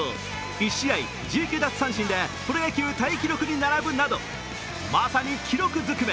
１試合１９奪三振でプロ野球タイ記録に並ぶなどまさに記録ずくめ。